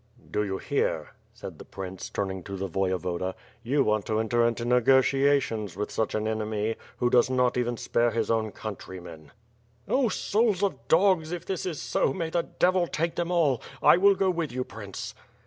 "Do you hear," said the prince, turning to the Voyevoda, "you want to enter into negotiations with such an enemy, who does not even spare his own countrymen.." "Oh, souls of dogs, if this is so, may the devil take them all. I will go with you, Prince."